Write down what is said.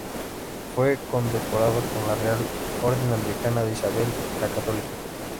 Fue condecorado con la Real Orden americana de Isabel la Católica.